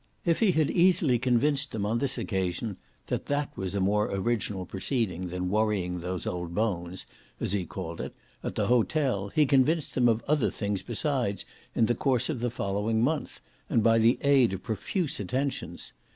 If he had easily convinced them on this occasion that that was a more original proceeding than worrying those old bones, as he called it, at the hotel, he convinced them of other things besides in the course of the following month and by the aid of profuse attentions.